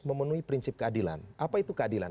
memenuhi prinsip keadilan apa itu keadilan